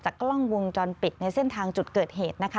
กล้องวงจรปิดในเส้นทางจุดเกิดเหตุนะคะ